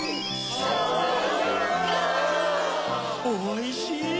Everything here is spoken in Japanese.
おいしい！